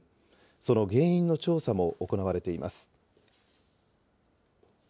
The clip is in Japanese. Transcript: その原因の調査も行われています。